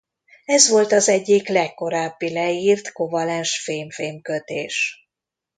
Ez volt az egyik legkorábbi leírt kovalens fém-fém kötés.